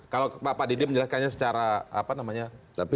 kalau pak didi menjelaskannya secara apa namanya